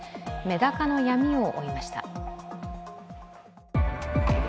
メダカの闇を追いました。